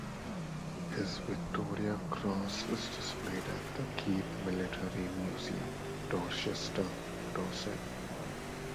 His Victoria Cross is displayed at The Keep Military Museum, Dorchester, Dorset.